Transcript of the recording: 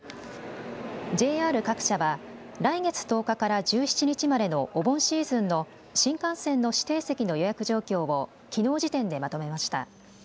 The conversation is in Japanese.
ＪＲ各社は来月１０日から１７日までのお盆シーズンの新幹線の指定席の予約状況をきのう時点でまとめました。